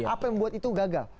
apa yang membuat itu gagal